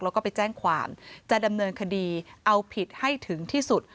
แล้วก็ไปแจ้งความจะดำเนินคดีเอาผิดให้ถึงที่สุด